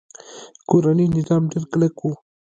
کورنۍ نظام ډیر کلک و